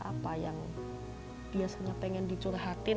apa yang biasanya ingin dicurhatkan